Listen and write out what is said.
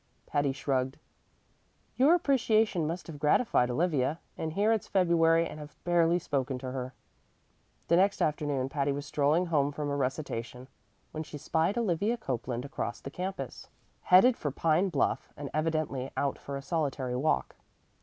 Patty shrugged. "Your appreciation must have gratified Olivia. And here it's February, and I've barely spoken to her." The next afternoon Patty was strolling home from a recitation, when she spied Olivia Copeland across the campus, headed for Pine Bluff and evidently out for a solitary walk.